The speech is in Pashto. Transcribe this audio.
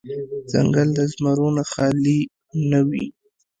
ـ ځنګل د زمرو نه خالې نه وي.